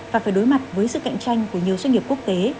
và phải đối mặt với sự cạnh tranh của nhiều doanh nghiệp quốc tế